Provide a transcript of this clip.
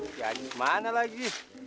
jadi mana lagi